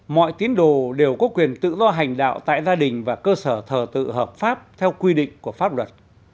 mọi tín đồ đều có quyền tự do hành đạo tại gia đình và cơ sở thờ tự hợp pháp theo quy định của pháp luật